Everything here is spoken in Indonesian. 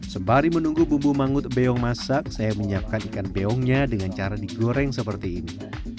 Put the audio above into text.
sembari menunggu bumbu mangut beong masak saya menyiapkan ikan beongnya dengan cara digoreng seperti ini